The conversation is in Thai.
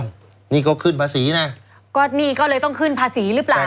นี่ก็ขึ้นภาษีนะก็นี่ก็เลยต้องขึ้นภาษีหรือเปล่า